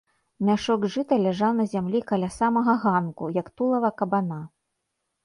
Мяшок жыта ляжаў на зямлі каля самага ганку, як тулава кабана.